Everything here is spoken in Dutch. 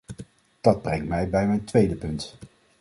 Dat brengt mij bij mijn tweede punt.